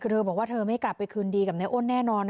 คือเธอบอกว่าเธอไม่กลับไปคืนดีกับนายอ้นแน่นอน